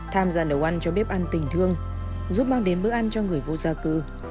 tham gia nấu ăn cho bếp ăn tình thương giúp mang đến bữa ăn cho người vô giặc